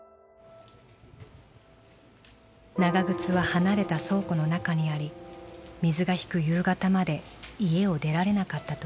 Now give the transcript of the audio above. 長靴は離れた倉庫の中にあり水が引く夕方まで家を出られなかったといいます。